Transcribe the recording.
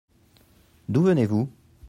D'où venez-vous ?